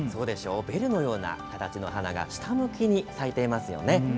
ベルのような形の花が下向きに咲いていますよね。